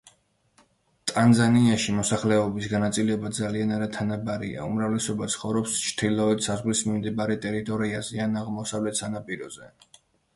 ტანზანიაში მოსახლეობის განაწილება ძალიან არათანაბარია, უმრავლეობა ცხოვრობს ჩრდილოეთ საზღვრის მიმდებარე ტერიტორიაზე ან აღმოსავლეთ სანაპიროზე.